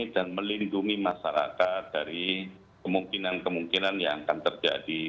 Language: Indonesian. dan melindungi masyarakat dari kemungkinan kemungkinan yang akan terjadi